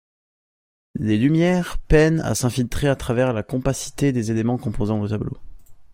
La lumière peine à s'infiltrer à travers la compacité des éléments composant le tableau.